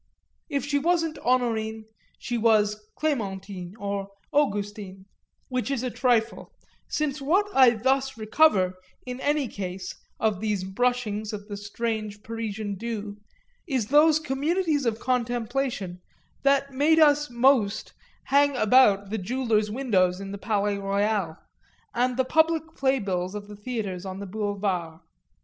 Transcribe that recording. If she wasn't Honorine she was Clémentine or Augustine which is a trifle; since what I thus recover, in any case, of these brushings of the strange Parisian dew, is those communities of contemplation that made us most hang about the jewellers' windows in the Palais Royal and the public playbills of the theatres on the Boulevard.